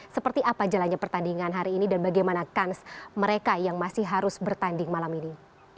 seperti apa jalannya pertandingan hari ini dan bagaimana kans mereka yang masih harus bertanding malam ini